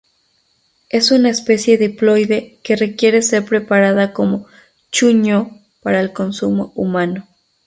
Es una especie diploide que requiere ser preparada como chuño para el consumo humano.